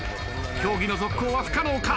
競技の続行は不可能か？